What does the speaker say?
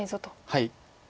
はい。